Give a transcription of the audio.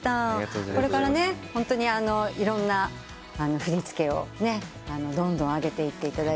これからねホントにいろんな振り付けをどんどん上げていっていただいて。